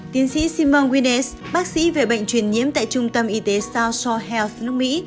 tiến sĩ simon guinness bác sĩ về bệnh truyền nhiễm tại trung tâm y tế south shore health nước mỹ